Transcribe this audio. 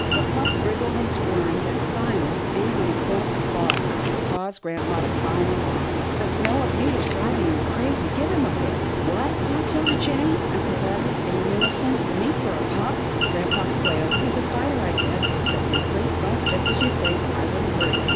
The pup wriggled and squirmed, and finally, being on the point of falling, caused grampa to cry in alarm, " The smell of meat is driving him crazy. Give him a bit." " What !" cried 'Tilda Jane and Perletta in uni son, " meat for a pup !" Grampa quailed. " He's a fighter, I guess," he said weakly, " but just as you think. I wouldn't hurt him."